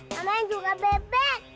kamu juga bebek